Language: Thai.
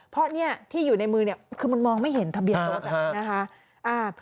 เพราะนี่ที่อยู่ในมือคือมันมองไม่เห็นทะเบียนรถนะคะ